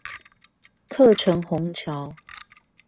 客城虹橋